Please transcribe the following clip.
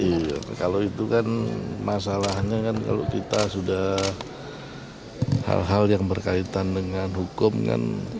iya kalau itu kan masalahnya kan kalau kita sudah hal hal yang berkaitan dengan hukum kan